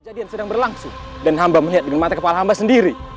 kejadian sedang berlangsung dan hamba melihat dengan mata kepala hamba sendiri